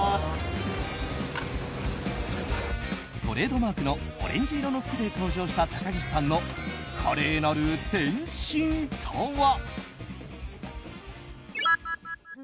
トレードマークのオレンジ色の服で登場した高岸さんの華麗なる転身とは。